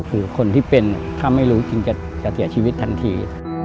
คือคนที่เป็นถ้าไม่รู้จริงจะเสียชีวิตทันที